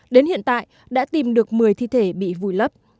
đến hiện tại đã tìm được một mươi thi thể bị vùi lấp